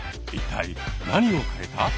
一体何を変えた？